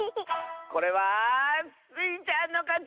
これはスイちゃんのかち！